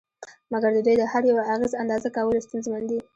مګر د دوی د هر یوه اغېز اندازه کول ستونزمن دي